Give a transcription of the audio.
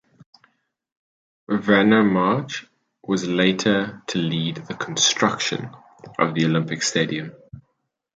Werner March was later to lead the construction of the Olympic Stadium.